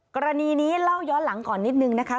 กรณีนี้เล่าย้อนหลังก่อนนิดนึงนะคะ